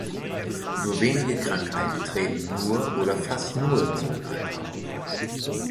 Nur wenige Krankheiten treten nur oder fast nur im hohen Alter auf.